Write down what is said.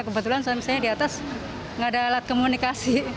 kebetulan suami saya di atas nggak ada alat komunikasi